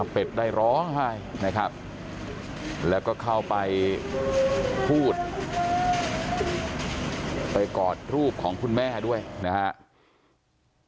เป็ดได้ร้องไห้นะครับแล้วก็เข้าไปพูดไปกอดรูปของคุณแม่ด้วยนะครับ